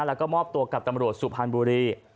แล้วก็มอบตัวกับตำรวจสุพรรณบุรี